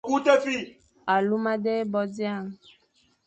Aluma dé bo dia,